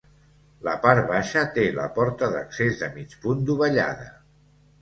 La part baixa té la porta d'accés de mig punt dovellada.